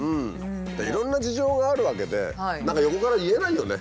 いろんな事情があるわけで何か横から言えないよね。